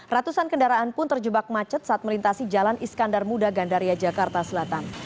ratusan kendaraan pun terjebak macet saat melintasi jalan iskandar muda gandaria jakarta selatan